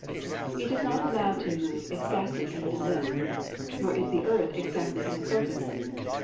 It is not allowed to move exactly in an ellipse, nor is the earth exactly in the focus.